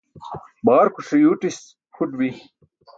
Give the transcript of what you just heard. Baġarkuṣe yuuṭis kʰuṭ bi.